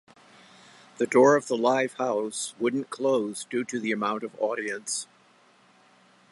The door of the live house wouldn't close due to the amount of audience.